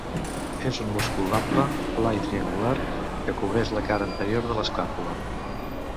És un múscul ample, pla i triangular que cobreix la cara anterior de l'escàpula.